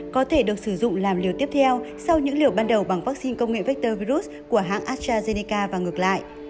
có thể được sử dụng làm liều tiếp theo sau những liều ban đầu bằng vaccine công nghệ vector virus của hãng astrazeneca và ngược lại